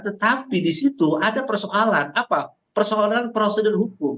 tetapi di situ ada persoalan apa persoalan prosedur hukum